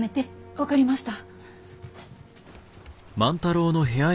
分かりました。